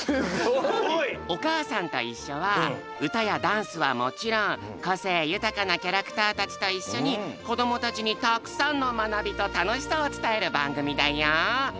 「おかあさんといっしょ」はうたやダンスはもちろんこせいゆたかなキャラクターたちといっしょにこどもたちにたくさんのまなびとたのしさをつたえるばんぐみだよ！